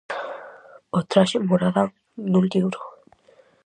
O traxe muradán nun libro.